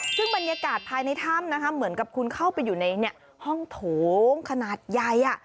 ซึ่งบรรยากาศภายในถ้ำนะคะเหมือนกับคุณเข้าไปอยู่ในห้องโถงขนาดใหญ่